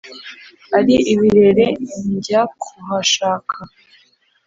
ari ibirere njya kuhashaka